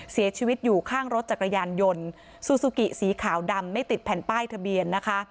เสียชีวิตอยู่ข้างรถจักรยานยนต์ซูซูกิสีขาวดำไม่ติดแผ่นป้ายทะเบียนนะคะ